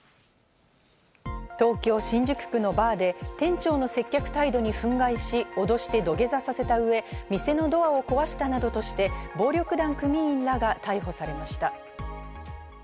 東京・新宿区のバーで店長の接客態度に憤慨し、脅して土下座させたうえ、店のドアを壊したなどとして、暴力団組員らが逮捕されました。